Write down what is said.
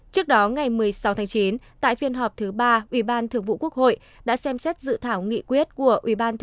trước đó ngày một mươi sáu tháng chín tại phiên họp thứ ba ubnd đã xem xét dự thảo nghị quyết của ubnd